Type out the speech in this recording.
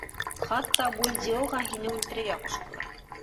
Хатта Бульдеоға һине үлтерергә ҡуштылар.